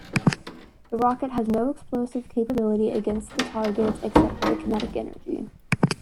The rocket has no explosive capability against the target except for kinetic energy.